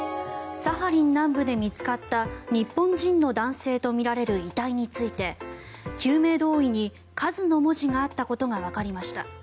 サハリン南部で見つかった日本人の男性とみられる遺体について救命胴衣に「ＫＡＺＵ」の文字があったことがわかりました。